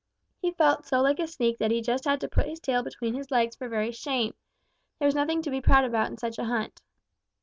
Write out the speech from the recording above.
He felt so like a sneak that he just had to put his tail between his legs for very shame. There was nothing to be proud about in such a hunt.